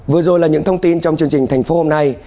vừa rồi là những thông tin trong chương trình thành phố hôm nay